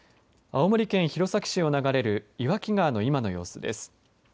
青森県弘前市を流れる岩木川の今の様子です。